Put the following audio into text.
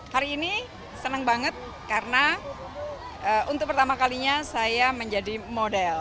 hari ini senang banget karena untuk pertama kalinya saya menjadi model